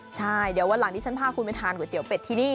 ใช่เดี๋ยววันหลังที่ฉันพาคุณไปทานก๋วยเตี๋เป็ดที่นี่